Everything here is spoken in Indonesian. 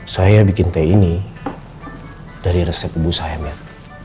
saya bikin teh ini dari resep ibu saya mir